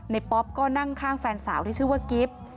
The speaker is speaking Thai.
ป๊อปก็นั่งข้างแฟนสาวที่ชื่อว่ากิฟต์